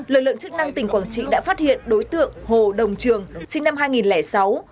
lực lượng chức năng tỉnh quảng trị đã phát hiện đối tượng hồ đồng trường sinh năm hai nghìn sáu